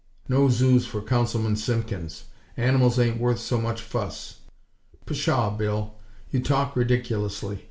_ No zoos for Councilman Simpkins! Animals ain't worth so much fuss!" "Pshaw, Bill! You talk ridiculously!